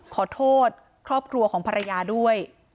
ขอโทษครอบครัวของภรรยาด้วย